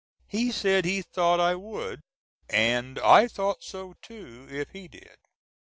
He said he thought I would, AND I THOUGHT SO TOO, IF HE DID.